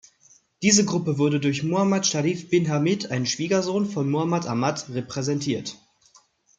Diese Gruppe wurde durch Muhammad Scharif bin Hamid, einem Schwiegersohn von Muhammad Ahmad, repräsentiert.